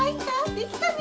できたね